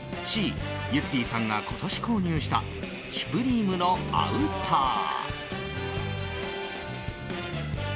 Ｃ、ゆってぃさんが今年購入したシュプリームのアウター。